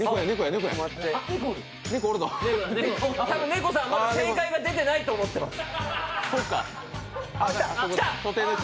猫さんまだ正解出てないと思ってます。